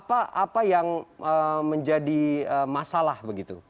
apa yang menjadi masalah begitu